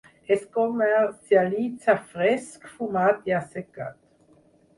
Es comercialitza fresc, fumat i assecat.